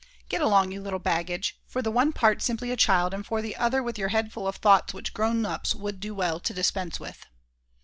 "Get along, you little baggage, for the one part simply a child, and for the other with your head full of thoughts which grown ups would do well to dispense with."